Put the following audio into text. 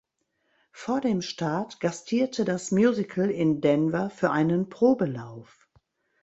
Vor dem Start gastierte das Musical in Denver für einen Probelauf.